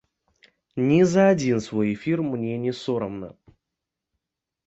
Ні за адзін свой эфір мне не сорамна.